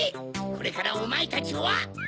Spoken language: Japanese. これからおまえたちは。